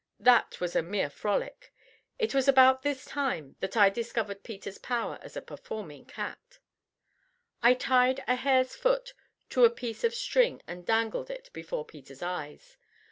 That was a mere frolic. It was about this time that I discovered Peter's power as a performing cat. I tied a hare's foot to a piece of string and dangled it before Peter's eyes.